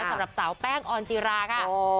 สำหรับสาวแป้งออนจิราค่ะ